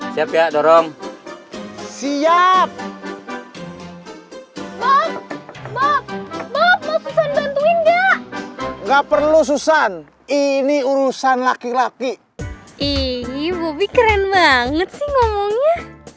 siap ya dorong siap nggak perlu susan ini urusan laki laki ini bobby keren banget sih ngomongnya